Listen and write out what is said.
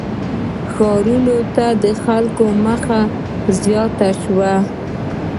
• ښارونو ته د خلکو مخه زیاته شوه.